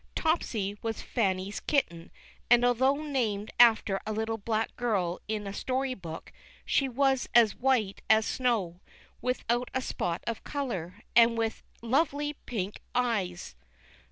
Topsy was Fanny's kitten, and, although named after a little black girl in a story book, she Avas as white as snow, Avithout a spot of color, and Avith lovely pink eyes.